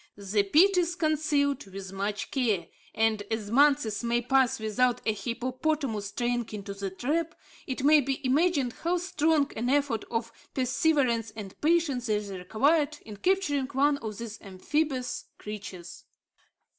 The pit is concealed with much care, and as months may pass without a hippopotamus straying into the trap, it may be imagined how strong an effort of perseverance and patience is required in capturing one of these amphibious creatures.